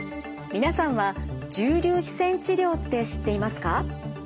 皆さんは重粒子線治療って知っていますか？